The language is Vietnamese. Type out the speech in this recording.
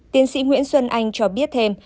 tiến sĩ nguyễn xuân anh cho biết thêm